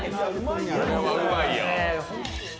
これはうまいよ。